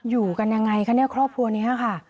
อยู่กันยังไงคะเนี่ยครอบครัวนี้ค่ะ